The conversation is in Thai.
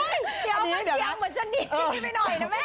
เอามาเสียเหมือนชะนีไปหน่อยน้ำแม่นะ